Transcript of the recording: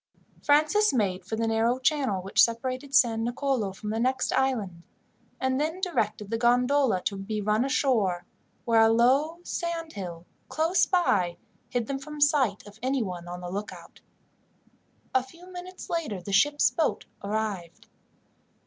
Francis made for the narrow channel which separated San Nicolo from the next island, and then directed the gondola to be run ashore, where a low sand hill, close by, hid them from the sight of anyone on the lookout. A few minutes later the ship's boat arrived.